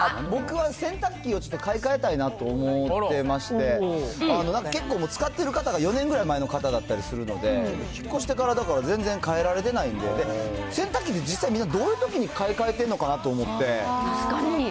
僕は洗濯機をちょっと買い替えたいなと思ってまして、結構もう使ってる型が、４年ぐらい前の方だったりするので、引っ越してから、だから、全然替えられてないんで、洗濯機って、実際どういうときに買い替えてるのかなと思って。